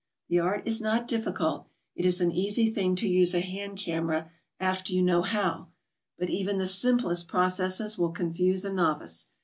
The art is not difficult; it is an easy thing to use a hand camera after you know how; but even the simplest processes will confuse a novice.